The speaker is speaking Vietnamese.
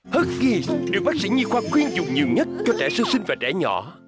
herkis được bác sĩ nhi khoa khuyên dùng nhiều nhất cho trẻ sơ sinh và trẻ nhỏ